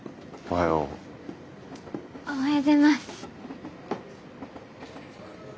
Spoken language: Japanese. おはようございます。